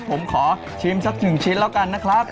ผมขอชิมสักหนึ่งชิ้นแล้วกันนะครับ